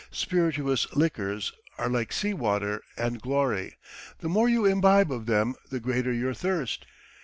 Spirituous liquors are like sea water and glory: the more you imbibe of them the greater your thirst.